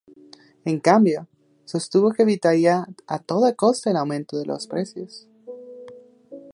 En cambio, sostuvo que evitaría a toda costa el aumento de los precios.